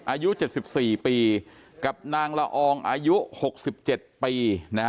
อายุ๗๔ปีกับนางละอองอายุ๖๗ปี